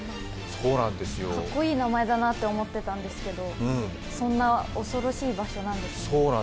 かっこいい名前だなと思ってたんですけど、そんな恐ろしい場所なんですね。